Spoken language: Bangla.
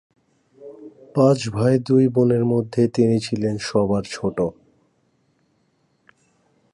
পাঁচ ভাই দুই বোনের মধ্যে তিনি ছিলেন সবার ছোট।